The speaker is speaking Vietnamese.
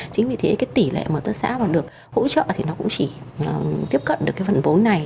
chính vì thế cái tỷ lệ mà hợp tác xã mà được hỗ trợ thì nó cũng chỉ tiếp cận được cái phần vốn này